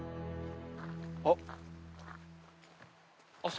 あっ。